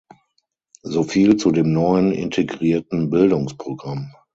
Soviel zu dem neuen integrierten Bildungsprogramm.